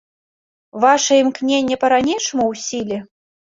Ваша імкненне па-ранейшаму ў сіле?